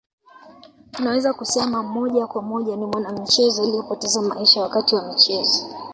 Tunaweza kusema moja kwa moja ni mwanamichezo aliyepoteza maisha wakati wa michezo